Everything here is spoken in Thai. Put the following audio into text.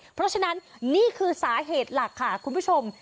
เพราะฉะนั้นนี่คือสาเหตุหลักค่ะคุณผู้ชม